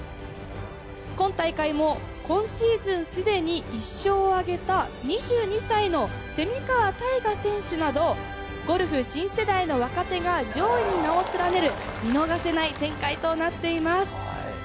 今大会も今シーズンすでに１勝を挙げた、２２歳の蝉川泰果選手など、ゴルフ新世代の若手が上位に名を連ねる、見逃せない展開となっています。